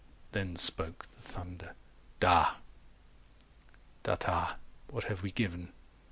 Then spoke the thunder DA 400 Datta: what have we given?